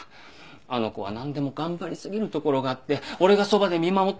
あの子は何でも頑張り過ぎるところがあって俺がそばで見守っていないと。